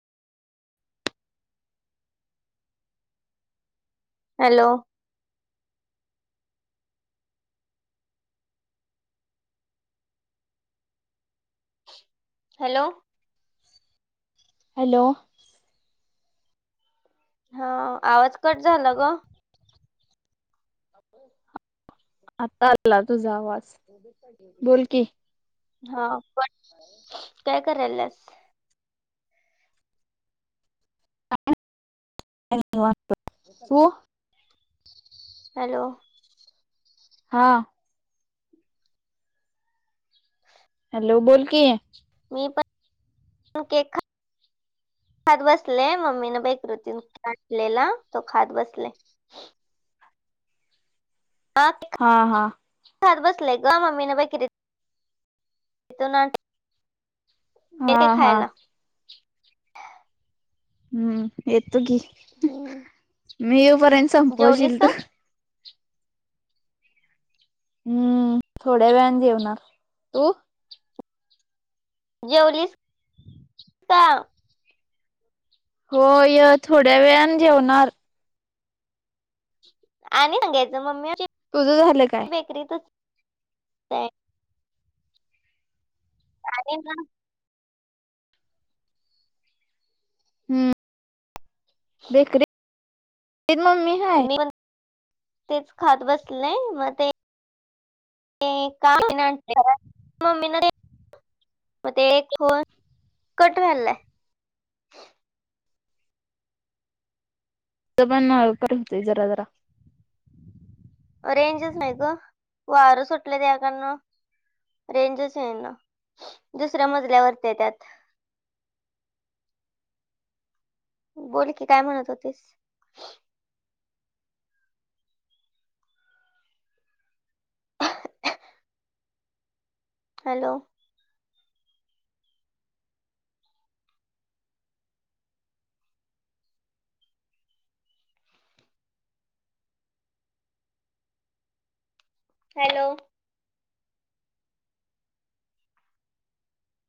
Hello. Hello. Hello. हा आवाज cut झाला ग. आता आला तुझा आवाज बोल की हा पण काय करायल्यास? काही नाही, निवांत बग. तु? हॅलो. हा. हॅलो बोल की? मी पण केक खा खात बसले, मम्मीन बेकरीतन केक आणलेला तो खात बसले. आक [unintelligible] हा हा. खात बसले ग मम्मीने बेकरीतन आणलेला हा हा. हम्म येतो की हम्म मी येईपर्यंत जेवलीस संपवशील तू का हम्म थोड्या वेळान जेवणार, तू? जेवलीस? का [unintelligible] होय. थोड्या वेळानं जेवणार. आणि सांगायचं मम्मी आमची तुझ झालं काय? बेकरीतच हाय. अरे वाह! हम्म, बेकरीत मम्मी हाय? मी तेच खात बसले मग ते ते का ममी ना ते [unintelligible] मग ते एक दिवस कट व्हायलाय. जबाान करत जर्र [unintelligible] रेंजच नाही ग, वारं सुटल त्या कारन. रेंजच नाही ग, दुसऱ्या मजल्यावरती आहे त्यात. बोल की, काय म्हणत होतीस? हॅलो! हॅलो!